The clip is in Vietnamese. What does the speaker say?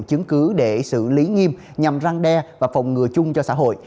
chứng cứ để xử lý nghiêm nhằm răng đe và phòng ngừa chung cho xã hội